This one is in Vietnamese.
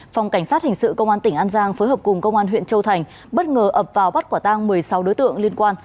phòng cảnh sát hình sự công an tỉnh an giang phối hợp cùng công an huyện châu thành bất ngờ ập vào bắt quả tang một mươi sáu đối tượng liên quan